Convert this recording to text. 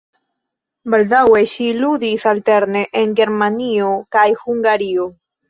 Baldaŭe ŝi ludis alterne en Germanio kaj Hungario.